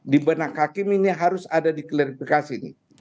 di benak hakim ini harus ada diklarifikasi ini